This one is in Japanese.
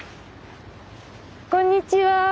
こんにちは。